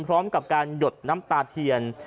พร้อมกับการหยดน้ำตาเทียน